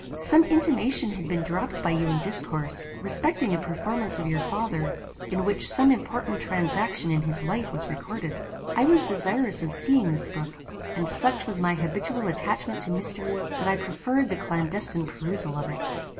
Some intimation had been dropped by you in discourse, respecting a performance of your father, in which some important transaction in his life was recorded. "I was desirous of seeing this book; and such was my habitual attachment to mystery, that I preferred the clandestine perusal of it.